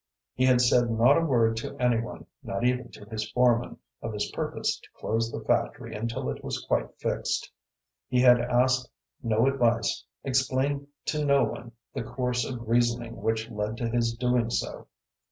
He had said not a word to any one, not even to his foreman, of his purpose to close the factory until it was quite fixed; he had asked no advice, explained to no one the course of reasoning which led to his doing so.